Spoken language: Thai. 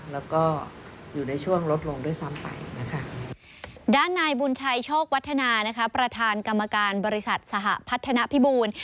และประธานกรรมการบริษัทสหพัฒนภิบูรณ์